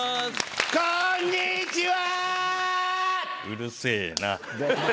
うるせぇな。